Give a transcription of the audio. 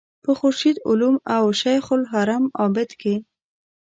په خورشید علوم او شیخ الحرم عابد کې.